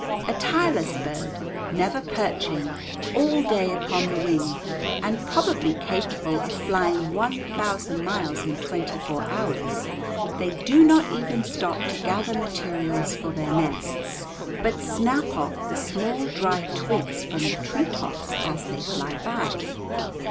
A tireless bird, never perching, all day upon the wing, and probably capable of flying one thousand miles in twenty four hours, they do not even stop to gather materials for their nests, but snap off the small dry twigs from the tree tops as they fly by.